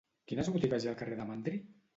Quines botigues hi ha al carrer de Mandri?